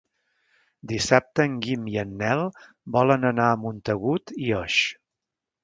Dissabte en Guim i en Nel volen anar a Montagut i Oix.